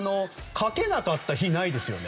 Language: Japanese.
かけなかった日はないですね。